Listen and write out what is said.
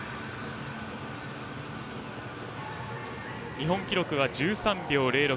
日本記録は１３秒０６。